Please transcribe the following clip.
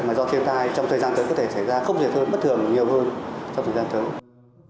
mà do thiên tai trong thời gian tới có thể xảy ra không thể thường bất thường nhiều hơn trong thời gian tới